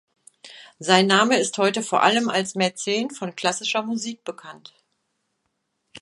Sein Name ist heute vor allem als Mäzen von klassischer Musik bekannt.